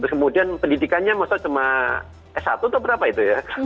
kemudian pendidikannya cuma s satu atau berapa itu ya